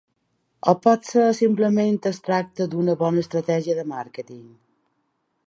O potser simplement es tracta d’una bona estratègia de màrqueting?